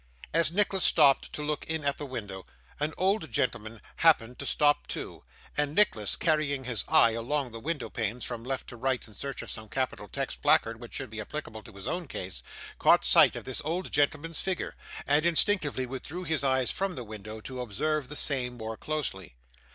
As Nicholas stopped to look in at the window, an old gentleman happened to stop too; and Nicholas, carrying his eye along the window panes from left to right in search of some capital text placard which should be applicable to his own case, caught sight of this old gentleman's figure, and instinctively withdrew his eyes from the window, to observe the same more closely.